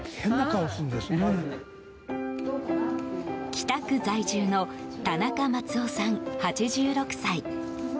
北区在住の田中松雄さん、８６歳。